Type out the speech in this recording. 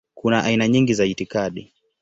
Kuna aina nyingi za itikadi.